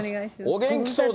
お元気そうで。